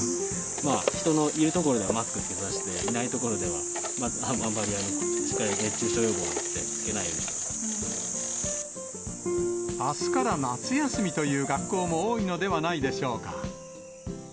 まあ、人のいる所ではマスク着けさせて、いない所ではあんまり、しっかり熱中症予防やって、あすから夏休みという学校も多いのではないでしょうか。